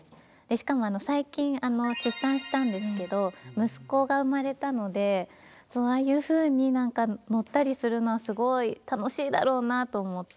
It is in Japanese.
しかも最近出産したんですけど息子が生まれたのでああいうふうに何か乗ったりするのはすごい楽しいだろうなと思って。